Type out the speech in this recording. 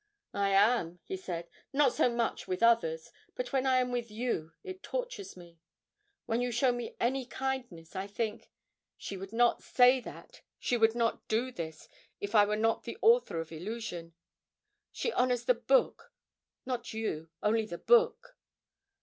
'I am,' he said. 'Not so much with others, but when I am with you it tortures me. When you show me any kindness I think, "She would not say that, she would not do this, if I were not the author of 'Illusion.' She honours the book, not you only the book!"'